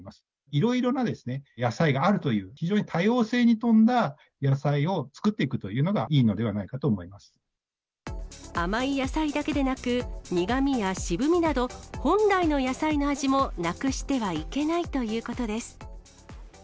いろいろな野菜があるという、非常に多様性に富んだ野菜を作っていくというのがいいのではない甘い野菜だけでなく、苦みや渋みなど本来の野菜の味もなくしてはいけないということです。